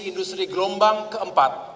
industri gelombang keempat